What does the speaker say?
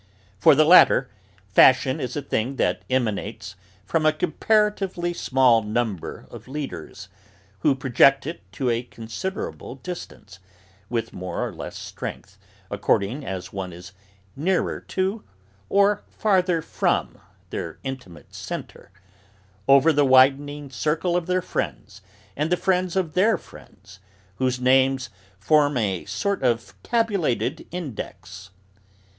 For the latter, fashion is a thing that emanates from a comparatively small number of leaders, who project it to a considerable distance with more or less strength according as one is nearer to or farther from their intimate centre over the widening circle of their friends and the friends of their friends, whose names form a sort of tabulated index.